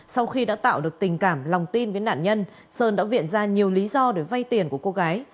sau khi đã tạo được tình cảm lòng tin với nạn nhân sơn đã viện ra nhiều lý do để vay tiền của cô gái